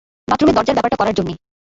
বাথরুমের দরজার ব্যাপারটা করার জন্যে।